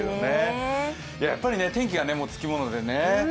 やっぱり天気がつきものでね。